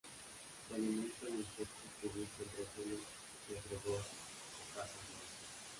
Se alimenta de insectos que busca entre el suelo pedregoso o caza en vuelo.